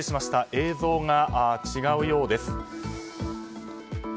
映像が違うようです。